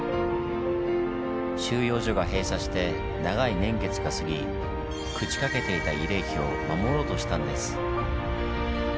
収容所が閉鎖して長い年月が過ぎ朽ちかけていた慰霊碑を守ろうとしたんです。